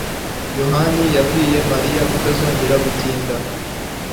Yohani yabwiye Mariya kutazongera gutinda.